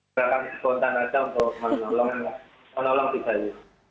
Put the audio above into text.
mereka kontan aja untuk menolong